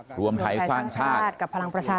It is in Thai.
ขอบคุณเลยนะฮะคุณแพทองธานิปรบมือขอบคุณเลยนะฮะ